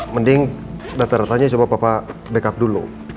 mending data datanya coba papa backup dulu